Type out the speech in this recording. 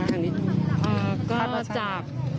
คาดว่าจะใช่ตัวตังโมง